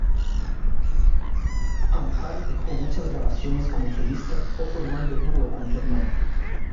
Amparo dejó muchas grabaciones como solista o formando dúo con su hermano.